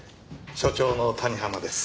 所長の谷浜です。